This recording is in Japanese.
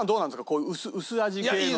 こういう薄味系の。